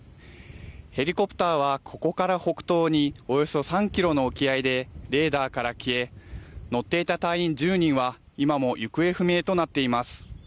ヘリコプターはここから北東におよそ３キロの沖合でレーダーから消え乗っていた隊員１０人は今も行方不明となっています。